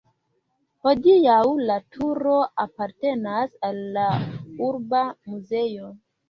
Hodiaŭ la turo apartenas al la urba muzeo.